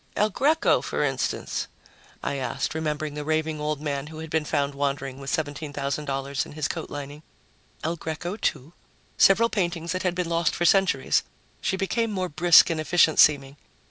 "El Greco, for instance?" I asked, remembering the raving old man who had been found wandering with $17,000 in his coat lining. "El Greco, too. Several paintings that had been lost for centuries." She became more brisk and efficient seeming.